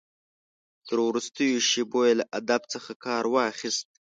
تر وروستیو شېبو یې له ادب څخه کار واخیست.